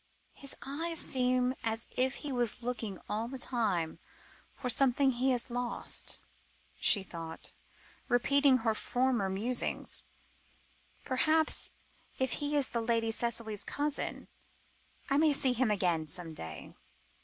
"His eyes seem as if he was looking all the time for something he has lost," she thought, repeating her former musings; "perhaps, if he is Lady Cicely's cousin, I may see him again some day.